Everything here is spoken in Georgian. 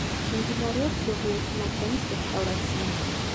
მიმდინარეობს ზოგიერთი მათგანის რესტავრაცია.